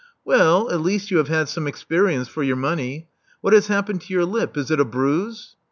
'•Well, at least you have had some, experience for your money. What has happened to your lip? Is it a bruise?"